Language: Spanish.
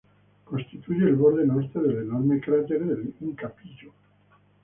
Constituye el borde norte del enorme cráter del Inca Pillo.